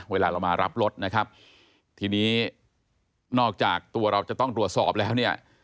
เวลาเรามารับรถนะครับทีนี้นอกจากตัวเราจะต้องตรวจสอบแล้วเนี่ย